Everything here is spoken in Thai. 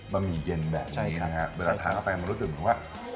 หมี่เย็นแบบนี้นะฮะเวลาทานเข้าไปมันรู้สึกเหมือนว่า